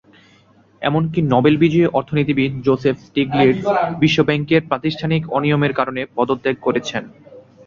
এমনকি নোবেল বিজয়ী অর্থনীতিবিদ জোসেফ স্টিগলিটজ বিশ্বব্যাংকের প্রাতিষ্ঠানিক অনিয়মের কারণে পদত্যাগ করেছেন।